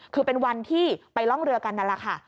คือเป็นวันที่ไปร่องเรือกันนั่นแหละค่ะ